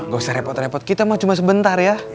gak usah repot repot kita mau cuma sebentar ya